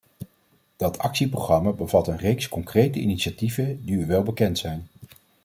Dat actieprogramma bevat een reeks concrete initiatieven, die u wel bekend zijn.